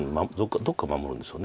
どっか守るんでしょう。